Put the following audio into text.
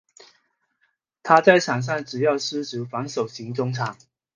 他在场上主要司职防守型中场。